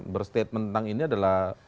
berstatement tentang ini adalah